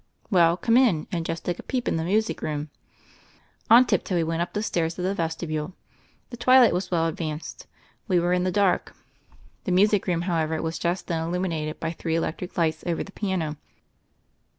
"Well, come in and just take a peep in the music room." On tip toe we went up the steps of the vesti bule. The twilight was well advanced; we were in the dark. The music room, however, was just then illuminated by three electric lights over the piano.